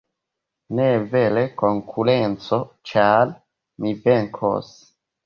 .... Ne vere konkurenco, ĉar mi venkos.